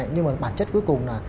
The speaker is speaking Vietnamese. nhưng mà bản chất cuối cùng là